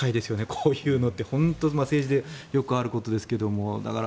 こういうのって本当に政治でよくあることですから。